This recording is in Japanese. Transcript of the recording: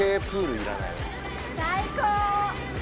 最高！